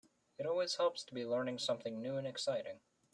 It always helps to be learning something new and exciting.